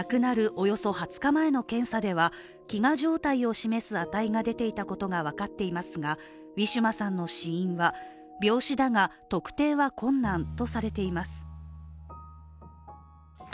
およそ２０日前の検査では飢餓状態を示す値が出ていたことが分かっていますがウィシュマさんの死因は病死だが、特定は困難とされています。